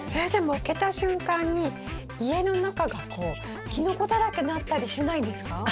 えでも開けた瞬間に家の中がこうキノコだらけになったりしないですか？